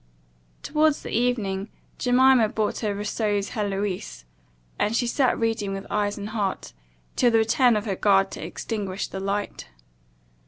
Towards the evening, Jemima brought her Rousseau's Heloise; and she sat reading with eyes and heart, till the return of her guard to extinguish the light.